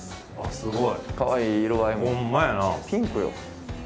すごい。